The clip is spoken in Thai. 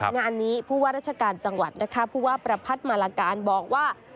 งานนี้ผู้ว่าราชการจังหวัดนะคะผู้ว่าประพัทธมาลาการบอกว่า